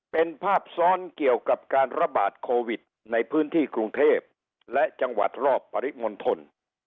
เป็นภาพซ้อนเกี่ยวกับการระบาดโควิดในพื้นที่กรุงเทพและจังหวัดรอบปริมณฑล